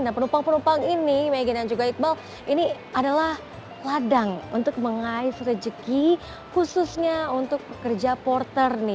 dan penumpang penumpang ini maggie dan juga iqbal ini adalah ladang untuk mengais rejeki khususnya untuk pekerja porter nih